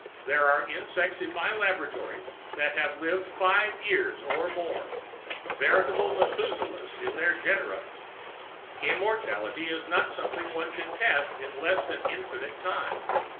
There are insects in my laboratories that have lived five years or more veritable Methuselahs of their genera. Immortality is not something one can test in less than infinite time.